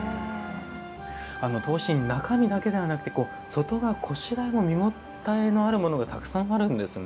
刀身、中身だけではなくて外側、拵も見応えがあるものがたくさんあるんですね。